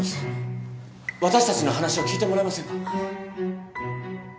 私たちの話を聞いてもらえませんか？